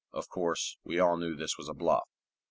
Of course, we all knew this was a bluff.